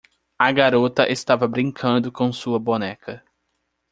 A garota estava brincando com sua boneca.